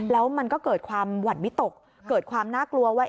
แล้วมันก็เกิดความหวั่นวิตกเกิดความน่ากลัวว่า